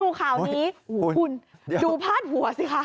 ดูข่าวนี้คุณดูพาดหัวสิคะ